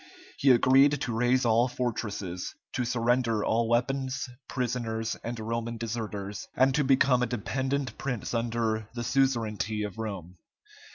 He agreed to raze all fortresses, to surrender all weapons, prisoners, and Roman deserters, and to become a dependent prince under the suzerainty of Rome.